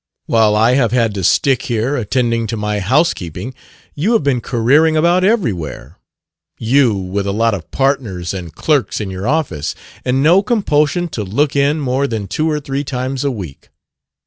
While I have had to stick here, attending to my housekeeping, you have been careering about everywhere, you with a lot of partners and clerks in your office, and no compulsion to look in more than two or three times a week.